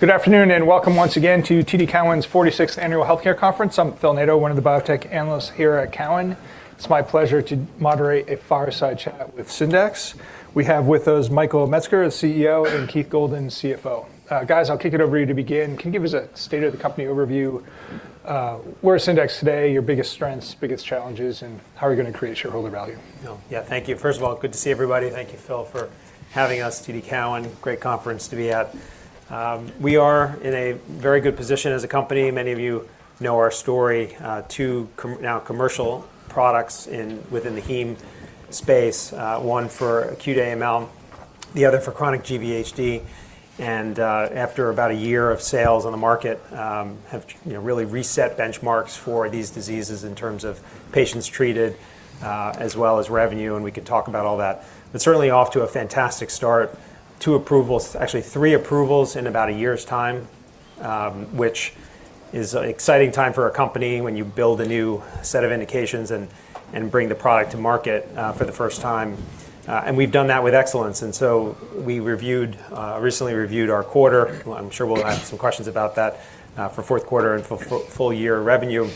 Good afternoon and welcome once again to TD Cowen's 46th Annual Healthcare conference. I'm Phil Nadeau, one of the Biotech Analysts here at Cowen. It's my pleasure to moderate a fireside chat with Syndax. We have with us Michael Metzger, the CEO, and Keith Goldan, CFO. Guys, I'll kick it over to you to begin. Can you give us a state of the company overview, where's Syndax today, your biggest strengths, biggest challenges, and how are you gonna create shareholder value? Phil. Yeah, thank you. First of all, good to see everybody. Thank you, Phil, for having us, TD Cowen, great conference to be at. We are in a very good position as a company. Many of you know our story. Two now commercial products in, within the heme space, one for acute AML, the other for chronic GVHD. After about a year of sales on the market, have, you know, really reset benchmarks for these diseases in terms of patients treated, as well as revenue, and we can talk about all that. Certainly off to a fantastic start. Two approvals, actually three approvals in about a year's time, which is an exciting time for our company when you build a new set of indications and bring the product to market, for the first time. We've done that with excellence. We recently reviewed our quarter. I'm sure we'll have some questions about that for fourth quarter and for full year revenue.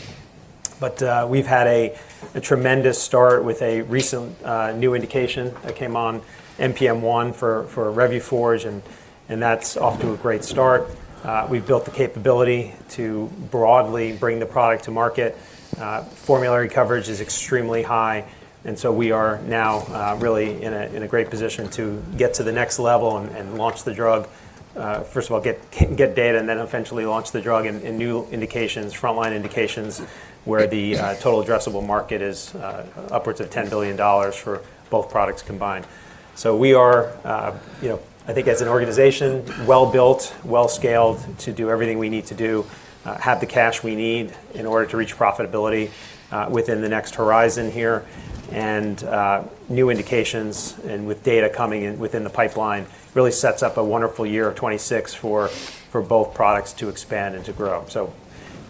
We've had a tremendous start with a recent new indication that came on NPM1 for Revuforj and that's off to a great start. We've built the capability to broadly bring the product to market. Formulary coverage is extremely high, and so we are now really in a great position to get to the next level and launch the drug. First of all, get data, and then eventually launch the drug in new indications, frontline indications, where the total addressable market is upwards of $10 billion for both products combined. We are, you know, I think as an organization, well-built, well-scaled to do everything we need to do, have the cash we need in order to reach profitability, within the next horizon here. New indications and with data coming in within the pipeline, really sets up a wonderful year of 2026 for both products to expand and to grow.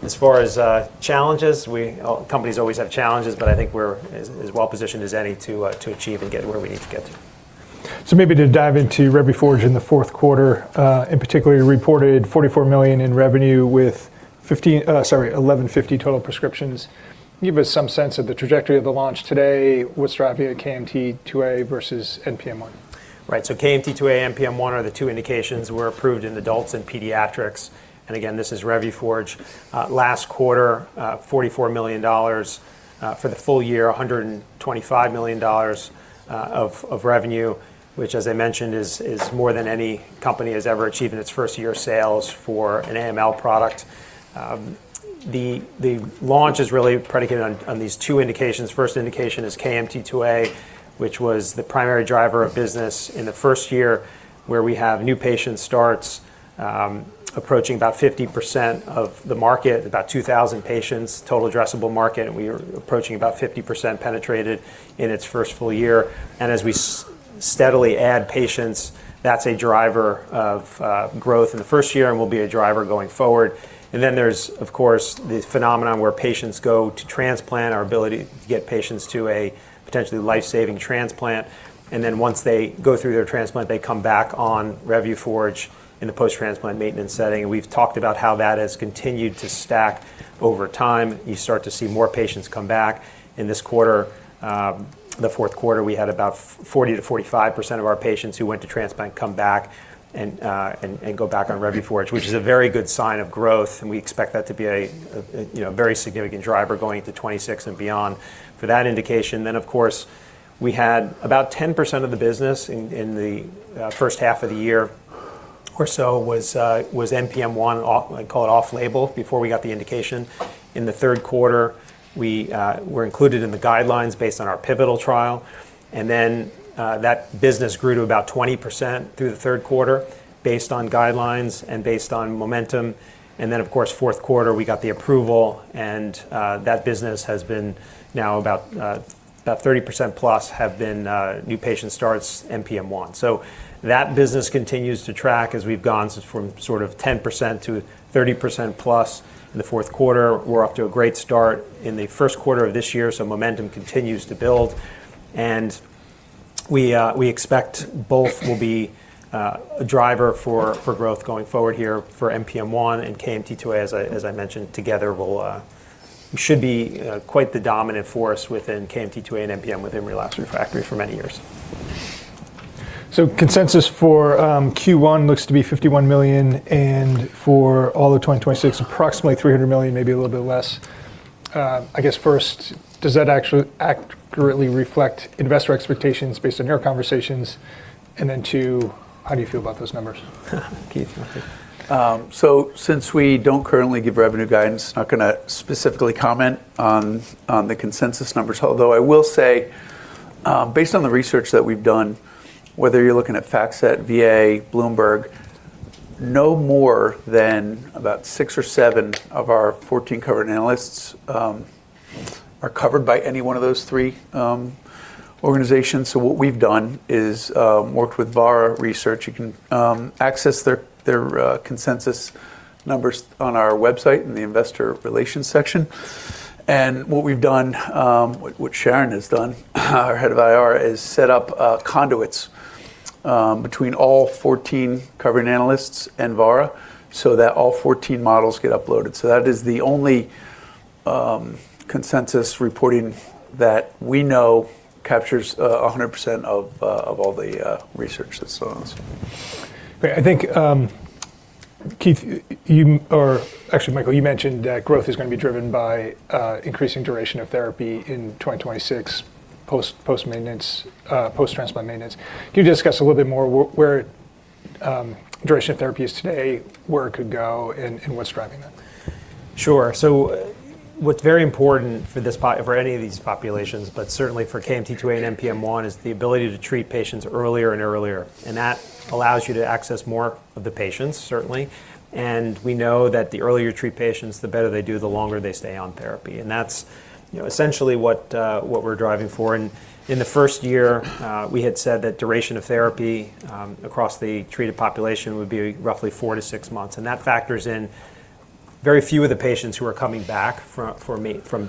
As far as, challenges, All companies always have challenges, but I think we're as well positioned as any to achieve and get where we need to get to. Maybe to dive into Revuforj in the fourth quarter, in particular, you reported $44 million in revenue with 1,150 total prescriptions. Give us some sense of the trajectory of the launch today with strata of KMT2A versus NPM1? KMT2A, NPM1 are the two indications were approved in adults and pediatrics. Again, this is Revuforj. Last quarter, $44 million. For the full year, $125 million of revenue, which, as I mentioned, is more than any company has ever achieved in its first-year sales for an AML product. The launch is really predicated on these two indications. First indication is KMT2A, which was the primary driver of business in the first year, where we have new patient starts approaching about 50% of the market, about 2,000 patients, total addressable market, and we are approaching about 50% penetrated in its first full year. As we steadily add patients, that's a driver of growth in the first year and will be a driver going forward. Then there's, of course, the phenomenon where patients go to transplant, our ability to get patients to a potentially life-saving transplant. Then once they go through their transplant, they come back on Revuforj in the post-transplant maintenance setting. We've talked about how that has continued to stack over time. You start to see more patients come back. In this quarter, the fourth quarter, we had about 40%-45% of our patients who went to transplant come back and go back on Revuforj, which is a very good sign of growth. We expect that to be a, you know, a very significant driver going into 2026 and beyond for that indication. Of course, we had about 10% of the business in the first half of the year or so was NPM1 off-label before we got the indication. In the third quarter, we were included in the guidelines based on our pivotal trial. That business grew to about 20% through the third quarter based on guidelines and based on momentum. Of course, fourth quarter, we got the approval, and that business has been now about 30%+ new patient starts NPM1. That business continues to track as we've gone from sort of 10%-30%+ in the fourth quarter. We're off to a great start in the first quarter of this year. Momentum continues to build. We expect both will be a driver for growth going forward here for NPM1 and KMT2A, as I mentioned, together will should be quite the dominant force within KMT2A and NPM within relapsed refractory for many years. Consensus for Q1 looks to be $51 million, and for all of 2026, approximately $300 million, maybe a little bit less. I guess first, does that actually accurately reflect investor expectations based on your conversations? Then two, how do you feel about those numbers? Keith. Since we don't currently give revenue guidance, not gonna specifically comment on the consensus numbers. Although I will say, based on the research that we've done, whether you're looking at FactSet, VA, Bloomberg, no more than about six or seven of our 14 covered analysts are covered by any one of those three organizations. What we've done is worked with Vara Research. You can access their consensus numbers on our website in the investor relations section. What we've done, what Sharon has done, our head of IR, is set up conduits between all 14 covering analysts and Vara so that all 14 models get uploaded. That is the only consensus reporting that we know captures 100% of all the research that's done. Great. I think Keith, or actually Michael, you mentioned that growth is gonna be driven by increasing duration of therapy in 2026 post-maintenance, post-transplant maintenance. Can you discuss a little bit more where duration of therapy is today, where it could go, and what's driving that? What's very important for any of these populations, but certainly for KMT2A and NPM1, is the ability to treat patients earlier and earlier. That allows you to access more of the patients, certainly. We know that the earlier you treat patients, the better they do, the longer they stay on therapy. That's, you know, essentially what we're driving for. In the first year, we had said that duration of therapy, across the treated population would be roughly 4-6 months, and that factors in very few of the patients who are coming back from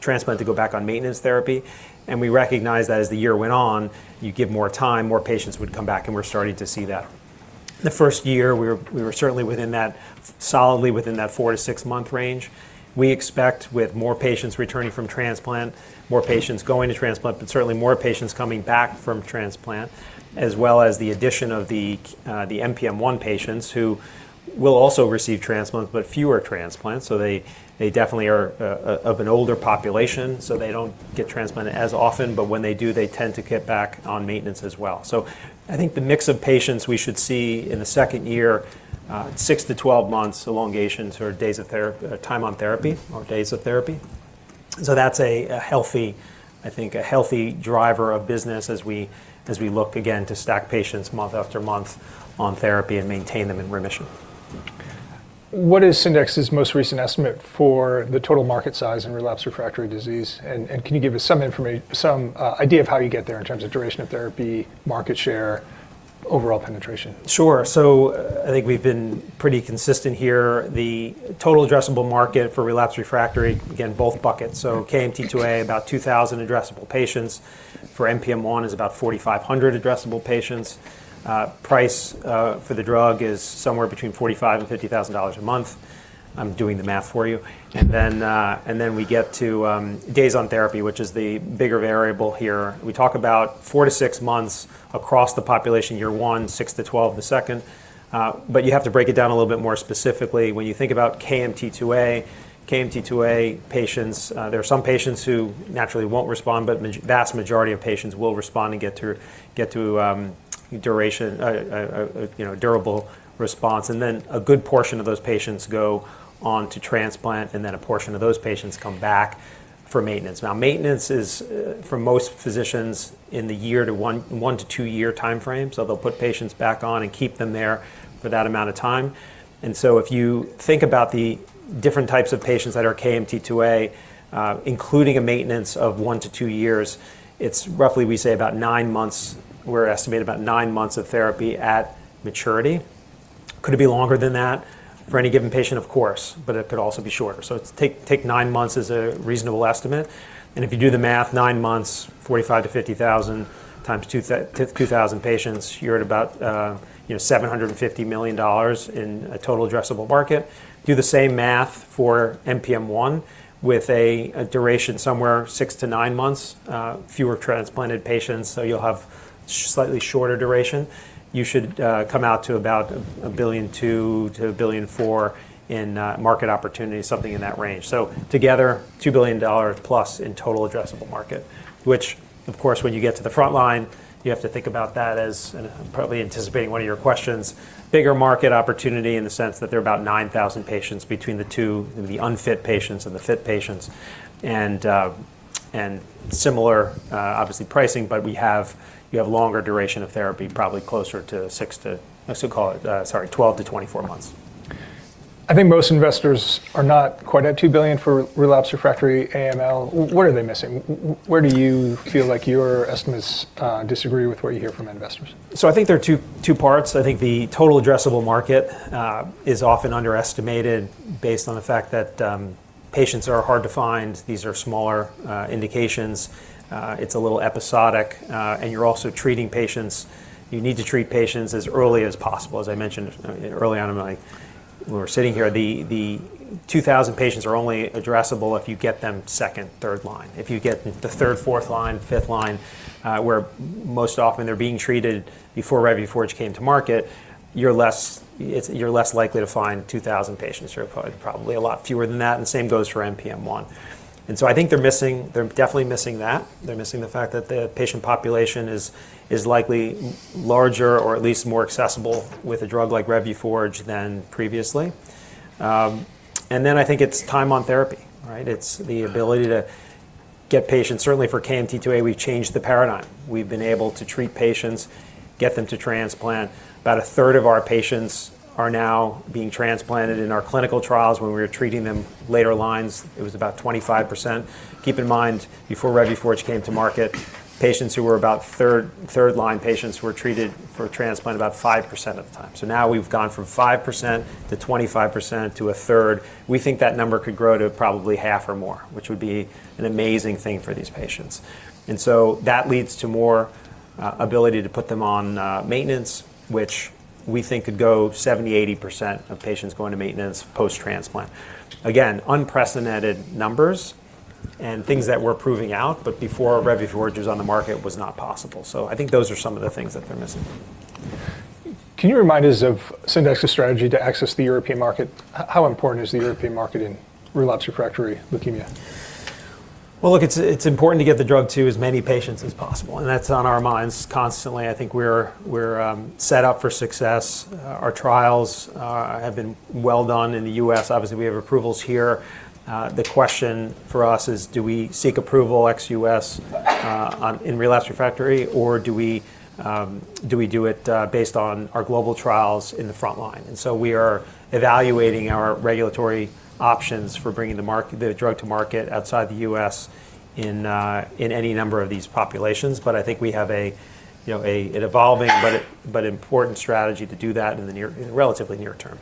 transplant to go back on maintenance therapy. We recognize that as the year went on, you give more time, more patients would come back, and we're starting to see that. The first year we were certainly within that, solidly within that 4-6 month range. We expect with more patients returning from transplant, more patients going to transplant, but certainly more patients coming back from transplant, as well as the addition of the NPM1 patients who will also receive transplants, but fewer transplants. They definitely are of an older population, so they don't get transplanted as often, but when they do, they tend to get back on maintenance as well. I think the mix of patients we should see in the second year, 6-12 months elongation to our days of time on therapy or days of therapy. That's a healthy, I think, a healthy driver of business as we look again to stack patients month after month on therapy and maintain them in remission. What is Syndax's most recent estimate for the total market size in relapsed refractory disease? Can you give us some idea of how you get there in terms of duration of therapy, market share, overall penetration? Sure. I think we've been pretty consistent here. The total addressable market for relapsed refractory, again, both buckets. KMT2A, about 2,000 addressable patients, for NPM1 is about 4,500 addressable patients. Price for the drug is somewhere between $45,000-$50,000 a month. I'm doing the math for you. Then we get to days on therapy, which is the bigger variable here. We talk about 4-6 months across the population, year one, 6-12 the second. But you have to break it down a little bit more specifically. When you think about KMT2A patients, there are some patients who naturally won't respond, but vast majority of patients will respond and get through, get to, you know, durable response. A good portion of those patients go on to transplant, and then a portion of those patients come back for maintenance. Now, maintenance is for most physicians in the year to one to two-year timeframe. They'll put patients back on and keep them there for that amount of time. If you think about the different types of patients that are KMT2A, including a maintenance of one to two years, it's roughly, we say about nine months. We're estimating about nine months of therapy at maturity. Could it be longer than that for any given patient? Of course. It could also be shorter. Take nine months as a reasonable estimate. If you do the math, nine months, 45,000-50,000 times 2,000 patients, you're at about, you know, $750 million in a total addressable market. Do the same math for NPM1 with a duration somewhere 6-9 months, fewer transplanted patients, so you'll have slightly shorter duration. You should come out to about $1.2 billion-$1.4 billion in market opportunity, something in that range. Together, $2 billion-plus in total addressable market, which of course, when you get to the front line, you have to think about that as and I'm probably anticipating one of your questions, bigger market opportunity in the sense that there are about 9,000 patients between the two, the unfit patients and the fit patients. Similar, obviously pricing, but you have longer duration of therapy, probably closer to, sorry, 12 to 24 months. I think most investors are not quite at $2 billion for relapsed refractory AML. What are they missing? Where do you feel like your estimates disagree with what you hear from investors? I think there are two parts. I think the total addressable market is often underestimated based on the fact that patients are hard to find. These are smaller indications. It's a little episodic, and you're also treating patients. You need to treat patients as early as possible. As I mentioned early on when we were sitting here, the 2,000 patients are only addressable if you get them second, third line. If you get the third, fourth line, fifth line, where most often they're being treated before Revuforj came to market, you're less likely to find 2,000 patients. You're probably a lot fewer than that, and the same goes for NPM1. I think they're missing, they're definitely missing that. They're missing the fact that the patient population is likely larger or at least more accessible with a drug like Revuforj than previously. Then I think it's time on therapy, right? It's the ability to get patients, certainly for KMT2A, we've changed the paradigm. We've been able to treat patients, get them to transplant. About a third of our patients are now being transplanted in our clinical trials. When we were treating them later lines, it was about 25%. Keep in mind, before Revuforj came to market, patients who were about third-line patients were treated for transplant about 5% of the time. Now we've gone from 5% to 25% to a third. We think that number could grow to probably half or more, which would be an amazing thing for these patients. That leads to more ability to put them on maintenance, which we think could go 70%-80% of patients going to maintenance post-transplant. Again, unprecedented numbers and things that we're proving out, but before Revuforj was on the market was not possible. I think those are some of the things that they're missing. Can you remind us of Syndax's strategy to access the European market? How important is the European market in relapsed refractory leukemia? Look, it's important to get the drug to as many patients as possible, and that's on our minds constantly. I think we're set up for success. Our trials have been well done in the US. Obviously, we have approvals here. The question for us is, do we seek approval ex U.S., on, in relapsed refractory, or do we do it, based on our global trials in the front line? We are evaluating our regulatory options for bringing the drug to market outside the U.S. in any number of these populations. I think we have, you know, an evolving but important strategy to do that in the near, in the relatively near term.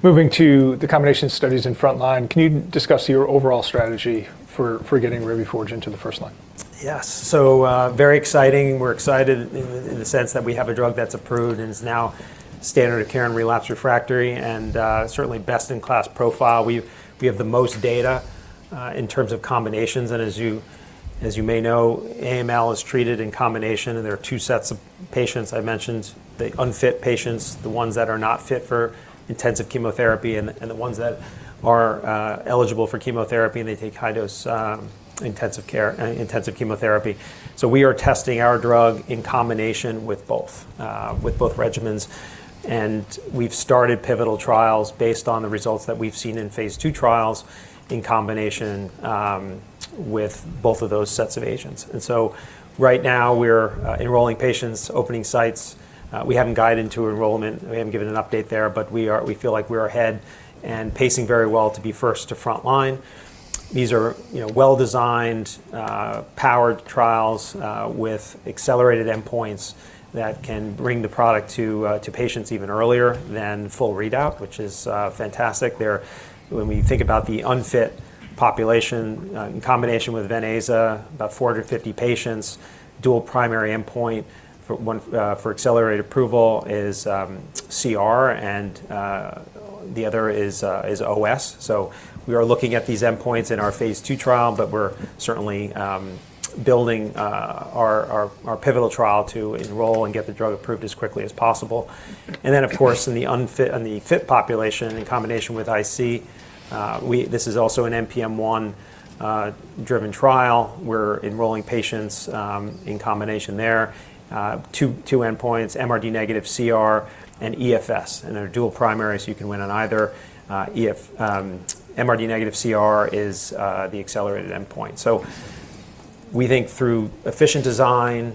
Moving to the combination studies in front line, can you discuss your overall strategy for getting Revuforj into the first line? Yes. Very exciting. We're excited in the sense that we have a drug that's approved and is now standard of care in relapsed refractory and certainly best-in-class profile. We have the most data in terms of combinations. As you may know, AML is treated in combination. There are two sets of patients I mentioned. The unfit patients, the ones that are not fit for intensive chemotherapy, and the ones that are eligible for chemotherapy, and they take high dose intensive care intensive chemotherapy. We are testing our drug in combination with both with both regimens. We've started pivotal trials based on the results that we've seen in phase two trials in combination with both of those sets of agents. Right now we're enrolling patients, opening sites. We haven't guided to enrollment. We haven't given an update there. We feel like we're ahead and pacing very well to be first to front line. These are, you know, well-designed, powered trials, with accelerated endpoints that can bring the product to patients even earlier than full readout, which is fantastic. When we think about the unfit population, in combination with Ven-Aza, about 450 patients, dual primary endpoint for one, for accelerated approval is CR, and the other is OS. We are looking at these endpoints in our phase 2 trial, but we're certainly building our pivotal trial to enroll and get the drug approved as quickly as possible. Of course, in the unfit and the fit population, in combination with IC, this is also an NPM1 driven trial. We're enrolling patients in combination there. Two endpoints, MRD-negative CR and EFS. They're dual primary, so you can win on either. EFS, MRD-negative CR is the accelerated endpoint. We think through efficient design,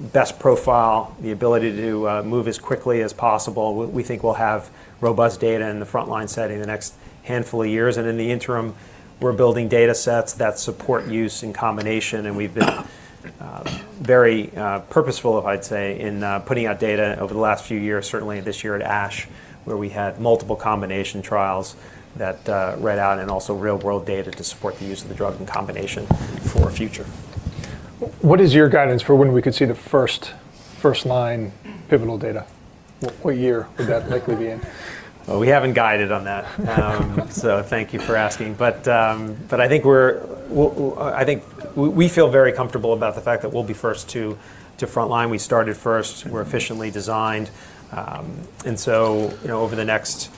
best profile, the ability to move as quickly as possible, we think we'll have robust data in the front line setting in the next handful of years. In the interim, we're building data sets that support use in combination, and very purposeful, I'd say, in putting out data over the last few years, certainly this year at ASH, where we had multiple combination trials that read out and also real world data to support the use of the drug and combination for future. What is your guidance for when we could see the first-line pivotal data? What year would that likely be in? Well, we haven't guided on that. Thank you for asking. I think we feel very comfortable about the fact that we'll be first to front line. We started first. We're efficiently designed. You know, over the next,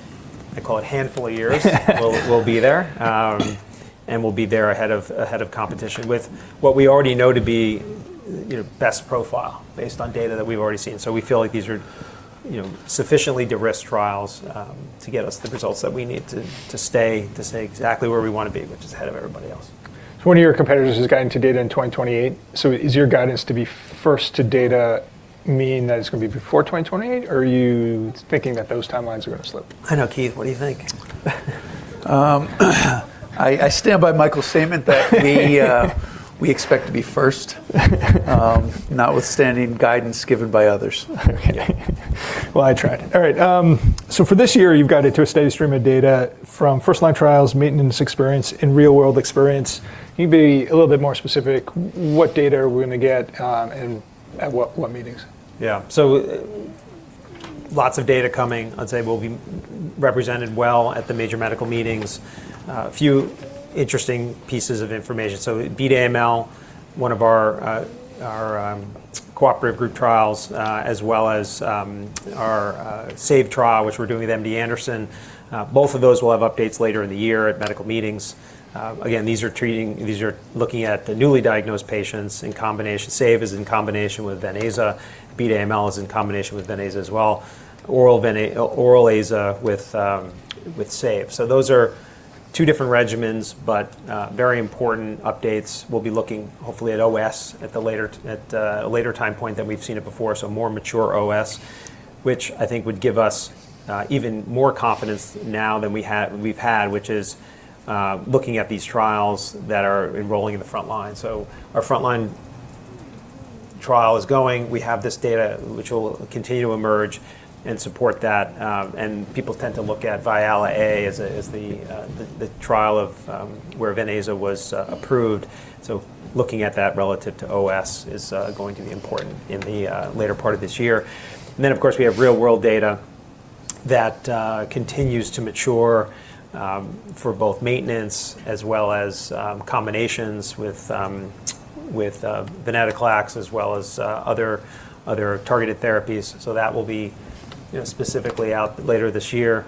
I call it, handful of years, we'll be there. We'll be there ahead of competition with what we already know to be, you know, best profile based on data that we've already seen. We feel like these are, you know, sufficiently de-risked trials to get us the results that we need to stay exactly where we want to be, which is ahead of everybody else. One of your competitors has gotten to data in 2028. Is your guidance to be first to data mean that it's gonna be before 2028, or are you thinking that those timelines are gonna slip? I know, Keith. What do you think? I stand by Michael's statement that we expect to be first. Notwithstanding guidance given by others. Okay. Well, I tried. All right. For this year, you've got it to a steady stream of data from first-line trials, maintenance experience, and real world experience. Can you be a little bit more specific, what data are we going to get, and at what meetings? Yeah. Lots of data coming. I'd say we'll be represented well at the major medical meetings. A few interesting pieces of information. Beat AML, one of our cooperative group trials, as well as our SAVE trial, which we're doing with MD Anderson, both of those will have updates later in the year at medical meetings. Again, these are looking at the newly diagnosed patients in combination. SAVE is in combination with Ven-Aza. Beat AML is in combination with Ven-Aza as well. Oral Aza with SAVE. Those are two different regimens, very important updates. We'll be looking hopefully at OS at a later time point than we've seen it before. More mature OS, which I think would give us even more confidence now than we've had, which is looking at these trials that are enrolling in the front line. Our front line trial is going. We have this data which will continue to emerge and support that. People tend to look at VIALE-A as the trial of where Venetoclax was approved. Looking at that relative to OS is going to be important in the later part of this year. Of course, we have real world data that continues to mature for both maintenance as well as combinations with venetoclax as well as other targeted therapies. That will be, you know, specifically out later this year.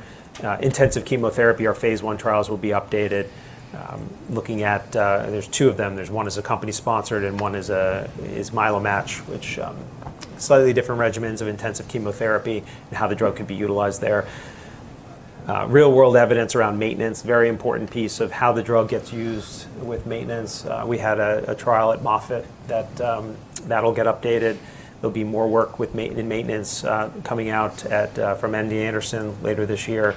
Intensive chemotherapy. Our phase 1 trials will be updated, looking at. There's two of them. There's one is a company sponsored, and one is MyeloMatch, which slightly different regimens of intensive chemotherapy and how the drug could be utilized there. Real world evidence around maintenance, very important piece of how the drug gets used with maintenance. We had a trial at Moffitt that'll get updated. There'll be more work with maintenance coming out from MD Anderson later this year.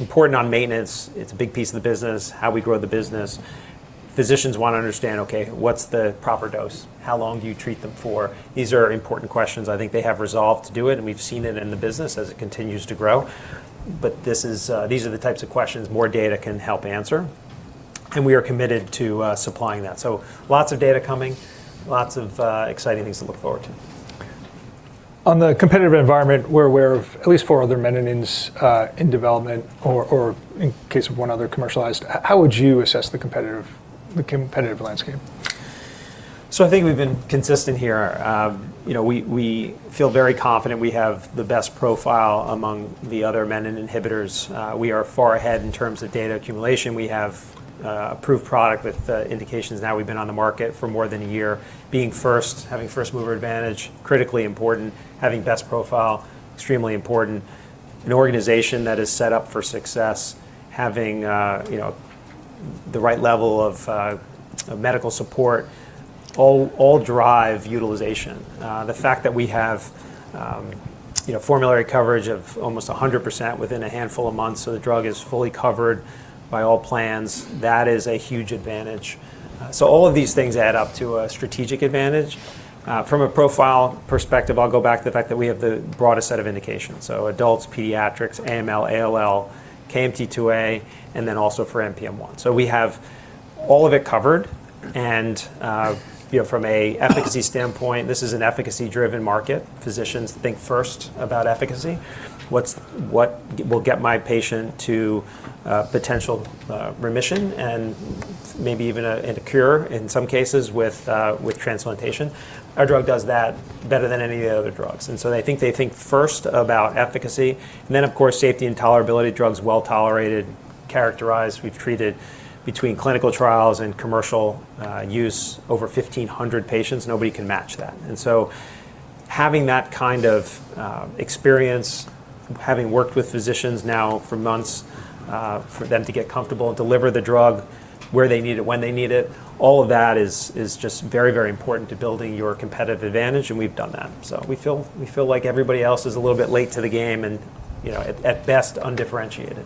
Important on maintenance. It's a big piece of the business, how we grow the business. Physicians wanna understand, okay, what's the proper dose? How long do you treat them for? These are important questions. I think they have resolve to do it, and we've seen it in the business as it continues to grow. This is, these are the types of questions more data can help answer, and we are committed to, supplying that. Lots of data coming, lots of, exciting things to look forward to. On the competitive environment, we're aware of at least four other meninins, in development, or in case of one other commercialized. How would you assess the competitive landscape? I think we've been consistent here. you know, we feel very confident we have the best profile among the other menin inhibitors. we are far ahead in terms of data accumulation. We have approved product with indications now. We've been on the market for more than a year. Being first, having first mover advantage, critically important. Having best profile, extremely important. An organization that is set up for success, having, you know, the right level of medical support, all drive utilization. The fact that we have, you know, formulary coverage of almost 100% within a handful of months, so the drug is fully covered by all plans, that is a huge advantage. All of these things add up to a strategic advantage. From a profile perspective, I'll go back to the fact that we have the broadest set of indications, so adults, pediatrics, AML, ALL, KMT2A, and then also for NPM1. We have all of it covered, and, you know, from a efficacy standpoint, this is an efficacy-driven market. Physicians think first about efficacy. What will get my patient to potential remission and maybe even a, and a cure in some cases with transplantation? Our drug does that better than any of the other drugs. I think they think first about efficacy and then of course, safety and tolerability. The drug's well-tolerated, characterized. We've treated, between clinical trials and commercial use, over 1,500 patients. Nobody can match that. Having that kind of experience, having worked with physicians now for months, for them to get comfortable and deliver the drug where they need it, when they need it, all of that is just very, very important to building your competitive advantage, and we've done that. We feel like everybody else is a little bit late to the game and, you know, at best undifferentiated.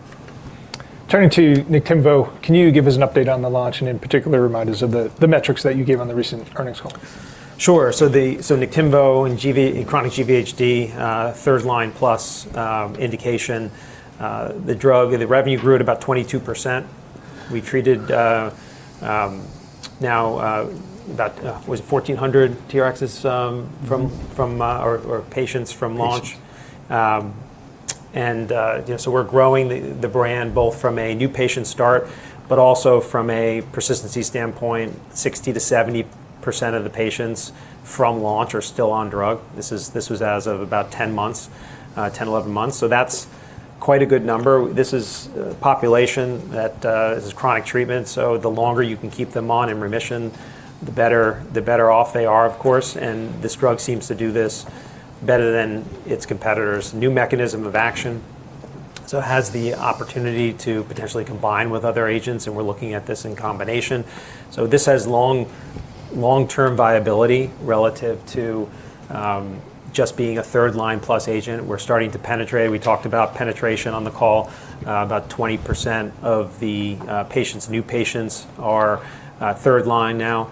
Turning to Niktimvo, can you give us an update on the launch and in particular remind us of the metrics that you gave on the recent earnings call? Sure. Niktimvo in chronic GVHD, third line plus indication, the drug, the revenue grew at about 22%. We treated about 1,400 TRx or patients from launch. And, you know, we're growing the brand both from a new patient start, but also from a persistency standpoint. 60%-70% of the patients from launch are still on drug. This was as of about 10 months, 10, 11 months. That's quite a good number. This is a population that this is chronic treatment, the longer you can keep them on in remission, the better off they are, of course, and this drug seems to do this better than its competitors. New mechanism of action, so it has the opportunity to potentially combine with other agents, and we're looking at this in combination. This has long, long-term viability relative to just being a third line plus agent. We're starting to penetrate. We talked about penetration on the call. About 20% of the patients, new patients are third line now.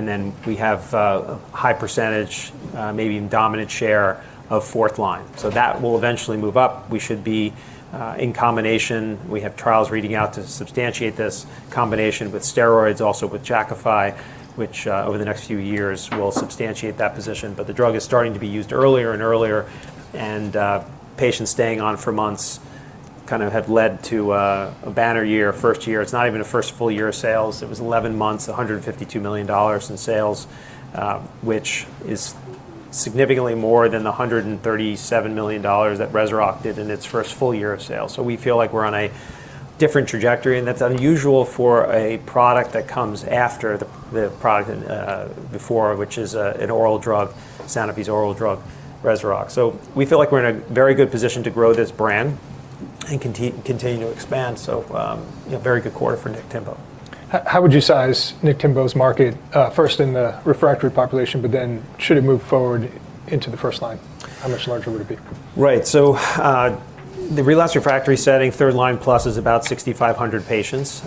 Then we have a high percentage, maybe even dominant share of fourth line. That will eventually move up. We should be in combination. We have trials reading out to substantiate this combination with steroids, also with Jakafi, which over the next few years will substantiate that position. The drug is starting to be used earlier and earlier, and patients staying on for months kind of have led to a banner year, a first year. It's not even a first full year of sales. It was 11 months, $152 million in sales, which is significantly more than the $137 million that Rezurock did in its first full year of sales. We feel like we're on a different trajectory, and that's unusual for a product that comes after the product before, which is an oral drug, Sanofi's oral drug, Rezurock. We feel like we're in a very good position to grow this brand. Continue to expand. You know, very good quarter for Niktimvo. How would you size Niktimvo's market, first in the refractory population, but then should it move forward into the first line? How much larger would it be? Right. The relapsed refractory setting, third line plus is about 6,500 patients.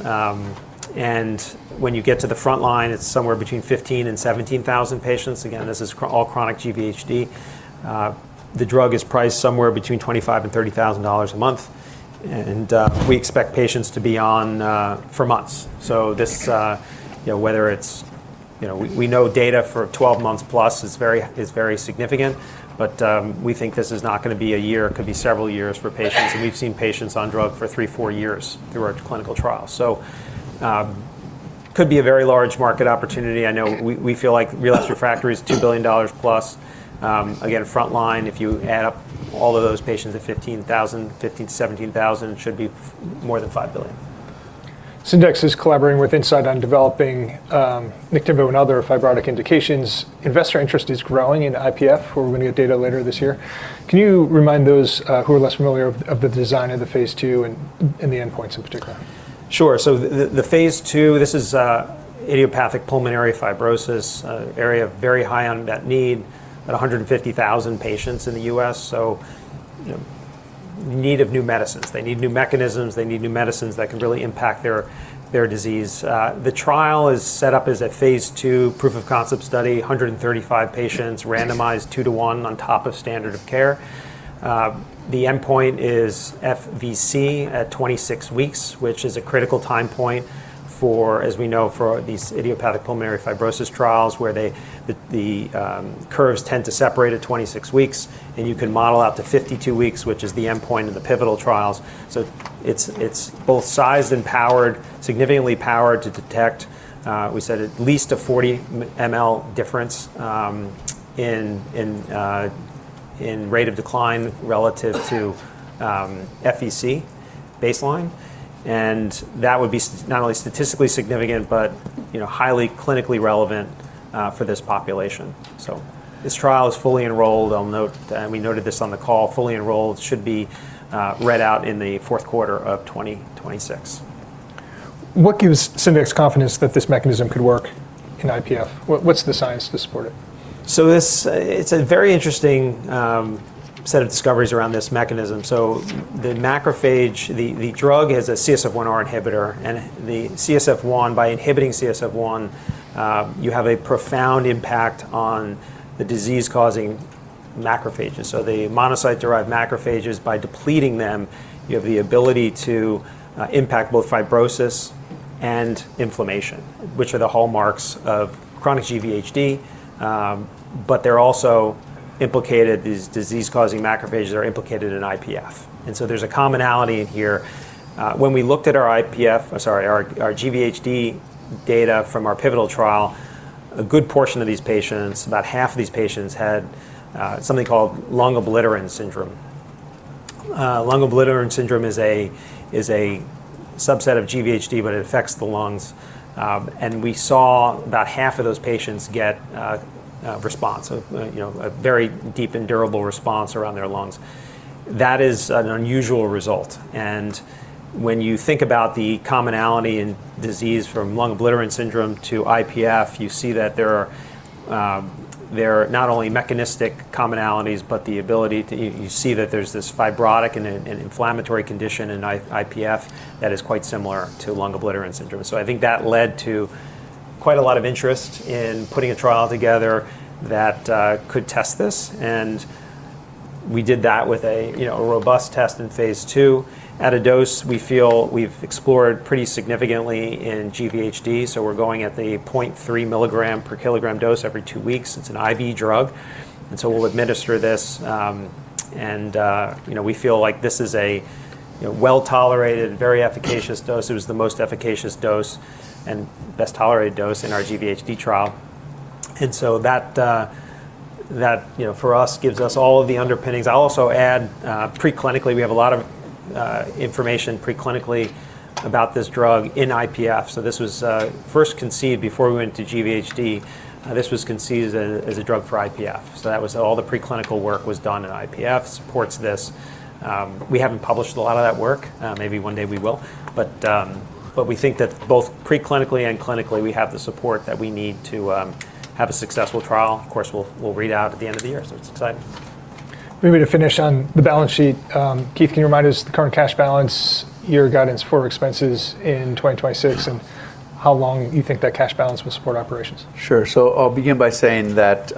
When you get to the front line, it's somewhere between 15,000-17,000 patients. Again, this is all chronic GVHD. The drug is priced somewhere between $25,000-$30,000 a month. We expect patients to be on for months. This, you know, whether it's, you know. We know data for 12 months plus is very significant, but we think this is not gonna be a year, it could be several years for patients, and we've seen patients on drug for three, four years through our clinical trial. Could be a very large market opportunity. I know we feel like relapsed refractory is $2 billion plus. Again, frontline, if you add up all of those patients at 15,000, 15,000-17,000, should be more than $5 billion. Syndax is collaborating with Incyte on developing Niktimvo and other fibrotic indications. Investor interest is growing in IPF. We're gonna get data later this year. Can you remind those who are less familiar of the design of the phase II and the endpoints in particular? Sure. The phase II, this is idiopathic pulmonary fibrosis area very high unmet need at 150,000 patients in the U.S. You know, need of new medicines. They need new mechanisms. They need new medicines that can really impact their disease. The trial is set up as a phase II proof of concept study, 135 patients randomized two 2 to one on top of standard of care. The endpoint is FVC at 26 weeks, which is a critical time point for, as we know, for these idiopathic pulmonary fibrosis trials, where the curves tend to separate at 26 weeks, and you can model out to 52 weeks, which is the endpoint of the pivotal trials. It's both sized and powered, significantly powered to detect, we said at least a 40 ml difference in rate of decline relative to FVC baseline. That would be not only statistically significant, but, you know, highly clinically relevant for this population. This trial is fully enrolled. I'll note, we noted this on the call, fully enrolled, should be read out in the fourth quarter of 2026. What gives Syndax confidence that this mechanism could work in IPF? What's the science to support it? It's a very interesting set of discoveries around this mechanism. The drug is a CSF1R inhibitor, and the CSF1, by inhibiting CSF1, you have a profound impact on the disease-causing macrophages. The monocyte-derived macrophages, by depleting them, you have the ability to impact both fibrosis and inflammation, which are the hallmarks of chronic GVHD. They're also implicated, these disease-causing macrophages are implicated in IPF. There's a commonality here. When we looked at our GVHD data from our pivotal trial, a good portion of these patients, about half of these patients, had something called bronchiolitis obliterans syndrome. Bronchiolitis obliterans syndrome is a subset of GVHD, but it affects the lungs. We saw about half of those patients get a response, a, you know, a very deep and durable response around their lungs. That is an unusual result. When you think about the commonality in disease from bronchiolitis obliterans syndrome to IPF, you see that there are not only mechanistic commonalities, but the ability to... You see that there's this fibrotic and inflammatory condition in IPF that is quite similar to bronchiolitis obliterans syndrome. I think that led to quite a lot of interest in putting a trial together that could test this. We did that with a, you know, a robust test in phase II at a dose we feel we've explored pretty significantly in GVHD, so we're going at the 0.3 mg/kg dose every two weeks. It's an IV drug, we'll administer this. You know, we feel like this is a, you know, well-tolerated, very efficacious dose. It was the most efficacious dose and best tolerated dose in our GVHD trial. That, you know, for us, gives us all of the underpinnings. I'll also add, pre-clinically, we have a lot of information pre-clinically about this drug in IPF. This was first conceived before we went to GVHD. This was conceived as a drug for IPF. That was all the pre-clinical work was done in IPF, supports this. We haven't published a lot of that work. Maybe one day we will. But we think that both pre-clinically and clinically, we have the support that we need to have a successful trial. We'll read out at the end of the year. It's exciting. Maybe to finish on the balance sheet, Keith, can you remind us the current cash balance, your guidance for expenses in 2026, and how long you think that cash balance will support operations? Sure. I'll begin by saying that,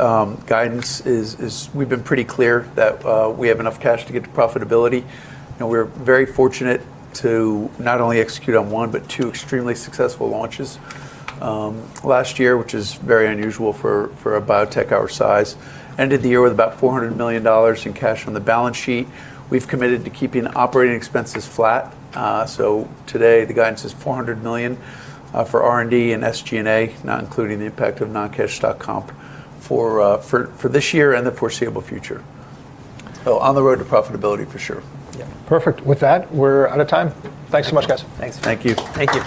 guidance is we've been pretty clear that we have enough cash to get to profitability. You know, we're very fortunate to not only execute on one, but 2 extremely successful launches, last year, which is very unusual for a biotech our size. Ended the year with about $400 million in cash on the balance sheet. We've committed to keeping operating expenses flat. Today the guidance is $400 million for R&D and SG&A, not including the impact of non-cash stock comp for this year and the foreseeable future. On the road to profitability for sure. Yeah. Perfect. With that, we're out of time. Thanks so much, guys. Thanks. Thank you. Thank you.